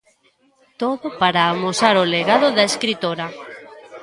Todo para amosar o legado da escritora.